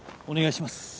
お願いします